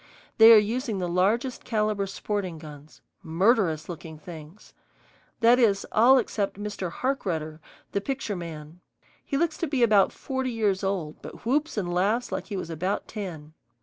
They are using the largest caliber sporting guns, murderous looking things. That is, all except Mr. Harkrudder, the picture man. He looks to be about forty years old, but whoops and laughs like he was about ten.